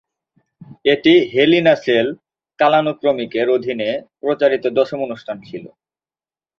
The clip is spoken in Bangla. এটি হেল ইন এ সেল কালানুক্রমিকের অধীনে প্রচারিত দশম অনুষ্ঠান ছিল।